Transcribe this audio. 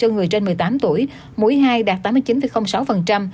cho người trên một mươi tám tuổi mũi hai đạt tám mươi chín sáu